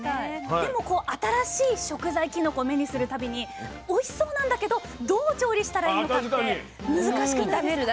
でも新しい食材きのこ目にするたびにおいしそうなんだけどどう調理したらいいのかって難しくないですか。